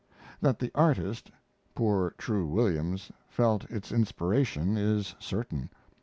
That the artist, poor True Williams, felt its inspiration is certain.